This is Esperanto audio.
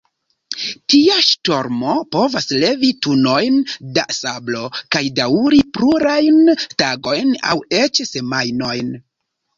Tia ŝtormo povas levi tunojn da sablo kaj daŭri plurajn tagojn aŭ eĉ semajnojn.